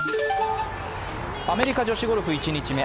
アメリカ女子ゴルフ１日目。